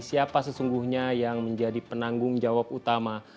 siapa sesungguhnya yang menjadi penanggung jawab utama